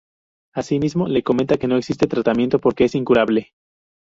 Asimismo le comenta que no existe tratamiento porque es incurable.